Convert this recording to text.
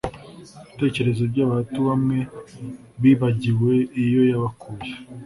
ibitekerezo by'abahutu bamwe bibagiwe iyo yabakuye